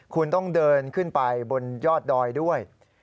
คุณต้องเดินขึ้นไปบนยอดดอยด้วย